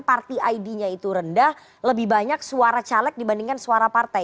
parti id nya itu rendah lebih banyak suara caleg dibandingkan suara partai